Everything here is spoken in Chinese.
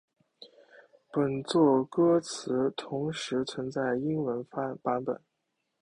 本作歌词同时存在英文版本。